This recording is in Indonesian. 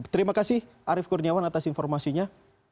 terima kasih arief kurniawan atas informasinya